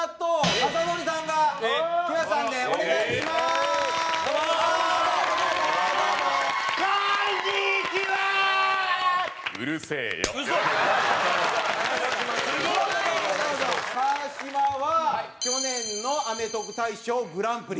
蛍原：川島は、去年のアメトーーク大賞グランプリ。